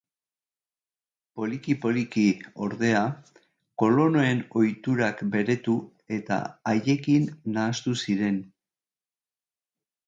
Poliki-poliki, ordea, kolonoen ohiturak beretu eta haiekin nahastu ziren.